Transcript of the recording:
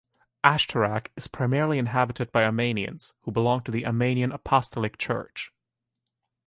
Ashtarak is primarily inhabited by Armenians who belong to the Armenian Apostolic Church.